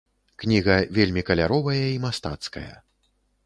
Кніга вельмі каляровая і мастацкая.